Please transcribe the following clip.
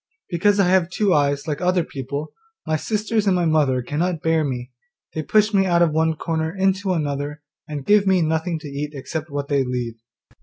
Because I have two eyes like other people, my sisters and my mother cannot bear me; they push me out of one corner into another, and give me nothing to eat except what they leave.